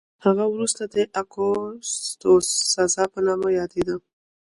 هغه وروسته د اګوستوس سزار په نامه یادېده